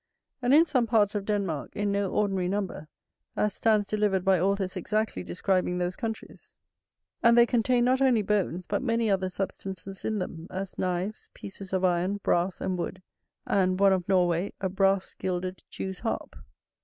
And in some parts of Denmark in no ordinary number, as stands delivered by authors exactly describing those countries. And they contained not only bones, but many other substances in them, as knives, pieces of iron, brass, and wood, and one of Norway a brass gilded jew's harp.